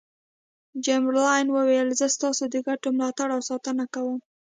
چمبرلاین وویل زه ستاسو د ګټو ملاتړ او ساتنه کوم.